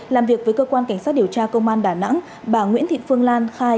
làm việc với cơ quan cảnh sát điều tra công an đà nẵng bà nguyễn thị phương lan khai